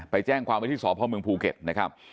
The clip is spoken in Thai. ไปแจ้งความวิทยุทธิสอบพร้อมเมืองภูเก็ตนะครับ